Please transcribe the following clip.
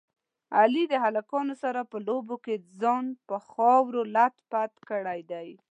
علي د هلکانو سره په لوبو کې ځان په خاورو لت پت کړی دی.